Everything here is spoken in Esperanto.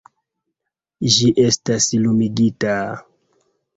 Ĝi estas lumigita...